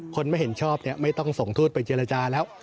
คนไม่เห็นชอบไม่ต้องส่งทูตไปเจรจาแล้ว